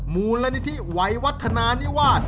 มูลนิธิไหววัฒนานิวาส